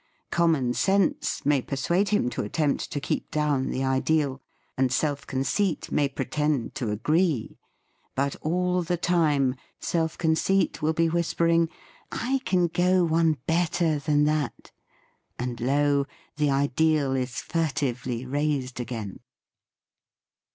Common sense may per suade him to attempt to keep down the ideal, and self conceit may pretend to agree. But all the time, self conceit will be whispering: "I can go one bet ter than that." And lo! the ideal is furtively raised again.